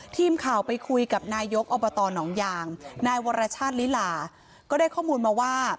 ทีมข่าวไปคุยกับนายกอบตหนองยางนายวรชาติลิลาก็ได้ข้อมูลมาว่า